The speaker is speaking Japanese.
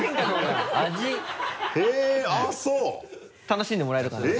楽しんでもらえるかな。